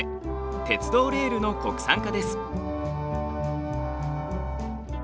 鉄道レールの国産化です。